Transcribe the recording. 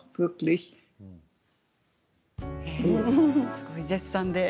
すごい絶賛で。